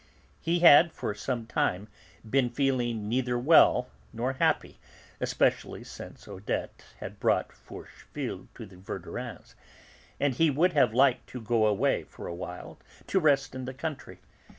He had for some time been feeling neither well nor happy, especially since Odette had brought Forcheville to the Verdurins', and he would have liked to go away for a while to rest in the country.